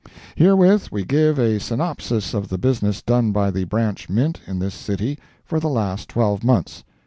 Herewith we give a synopsis of the business done by the Branch Mint in this city for the last twelve months.